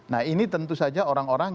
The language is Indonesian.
nah ini tentu saja orang orang